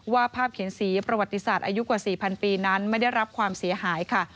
ว่าภาพเขียนสีประวัติศาสตร์อายุกว่า๔๐๐ปีนั้นไม่ได้รับความเสียหายค่ะ